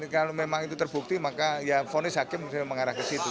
kalau memang itu terbukti maka ya vonis hakim mengarah ke situ